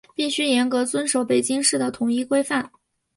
必须严格遵守北京市的统一规范